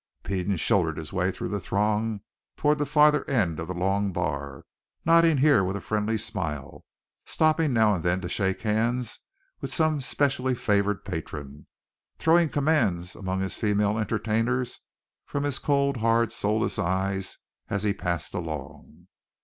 Peden shouldered his way through the throng toward the farther end of the long bar, nodding here with a friendly smile, stopping now and then to shake hands with some specially favored patron, throwing commands among his female entertainers from his cold, hard, soulless eyes as he passed along.